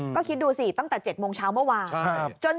ก็คิดดูสิตั้งแต่๗โมงเช้าเมื่อวาน